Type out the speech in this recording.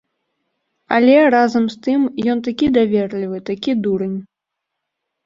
Але, разам з тым, ён такі даверлівы, такі дурань.